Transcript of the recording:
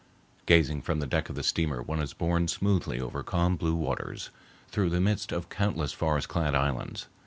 Gazing from the deck of the steamer, one is borne smoothly over calm blue waters, through the midst of countless forest clad islands.